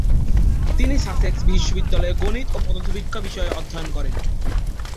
তিনি সাসেক্স বিশ্ববিদ্যালয়ে গণিত ও পদার্থবিজ্ঞান বিষয়ে অধ্যয়ন করেন।